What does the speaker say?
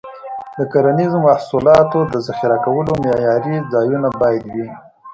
د کرنیزو محصولاتو د ذخیره کولو معیاري ځایونه باید وي.